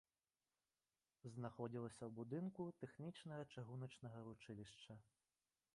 Знаходзілася ў будынку тэхнічнага чыгуначнага вучылішча.